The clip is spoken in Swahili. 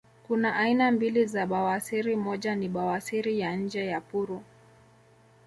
kuna aina mbili za bawasiri moja ni bawasiri ya nje ya puru